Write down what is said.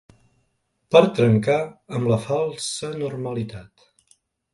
Per trencar amb la falsa normalitat.